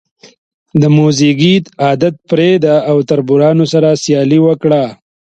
د موزیګي عادت پرېږده او تربورانو سره سیالي وکړه.